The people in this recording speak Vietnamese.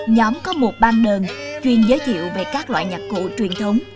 nhóm có một ban đơn chuyên giới thiệu về các loại nhạc cụ truyền thống